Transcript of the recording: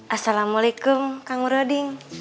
assalamualaikum kang broding